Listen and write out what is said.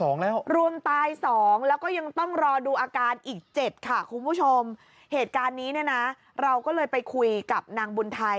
โน้ตจากแกงเห็ดเห็ดรังโกทำอะไรกินได้บ้าง